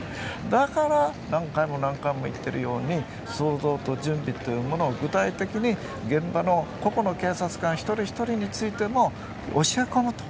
だから何回も言っているように想像と準備を具体的に現場の個々の警察官一人一人についても教え込むと。